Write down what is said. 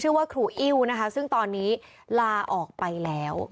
ชื่อว่าครูอิ้วนะคะซึ่งตอนนี้ลาออกไปแล้ว